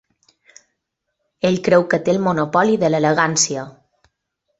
Ell creu que té el monopoli de l'elegància.